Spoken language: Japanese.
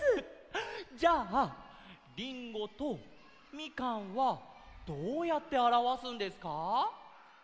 じゃあ「りんご」と「みかん」はどうやってあらわすんですか？